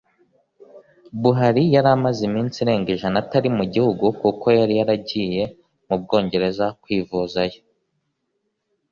Buhari yari amaze iminsi irenga ijana atari mu gihugu kuko yari yaragiye mu Bwongereza kwivuzayo